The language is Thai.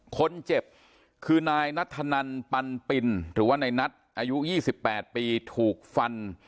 คนเจ็บคือนายนัทธนันปันปินหรือว่าในนัทอายุ๒๘ปีถูกฟัน